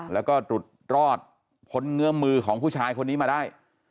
แล้วก็หลุดรอดพ้นเงื้อมือของผู้ชายคนนี้มาได้